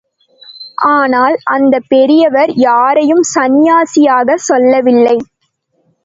ஆனால் அந்தப் பெரியவர் யாரையும் சன்னியாசியாகச் சொல்லவில்லை.